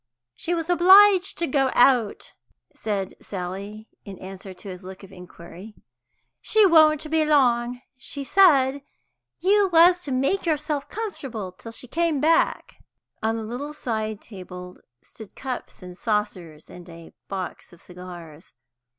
"She was obliged to go out," said Sally, in answer to his look of inquiry. "She won't be long, and she said you was to make yourself comfortable till she came back." On a little side table stood cups and saucers, and a box of cigars.